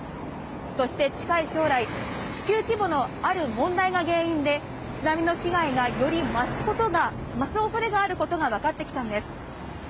そして近い将来、地球規模のある問題が原因で、津波の被害がより増すおそれがあることが分かってきたんです。